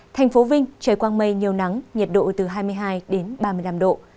thành phố vinh trời quang mây nhiều nắng nhiệt độ từ hai mươi hai đến ba mươi năm độ